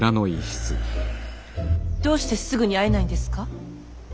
どうしてすぐに会えないんですか。